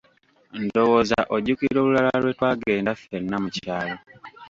Ndowooza ojjukira olulala lwe twagenda ffenna mu kyalo.